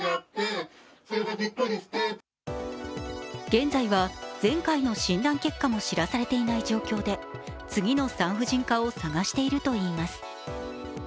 現在は、前回の診断結果も知らされていない状況で次の産婦人科を探しているといいます。